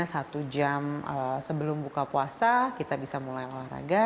satu jam sebelum buka puasa kita bisa mulai olahraga